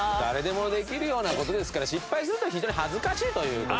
誰でもできるような事ですから失敗すると非常に恥ずかしいという。